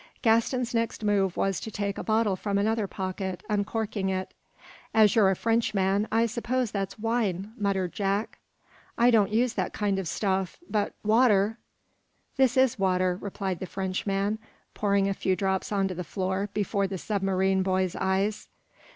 Gaston's next move was to take a bottle from another pocket, uncorking it. "As you're a Frenchman, I suppose that's wine," muttered Jack. "I don't use that kind of stuff, but water " "This is water," replied the Frenchman, pouring a few drops onto the floor before the submarine boy's eyes.